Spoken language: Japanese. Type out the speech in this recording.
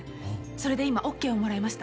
それで今オッケーをもらいました。